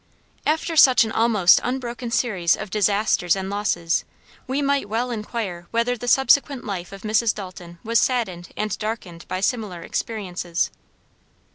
After such an almost unbroken series of disasters and losses, we might well inquire whether the subsequent life of Mrs. Dalton was saddened and darkened by similar experiences.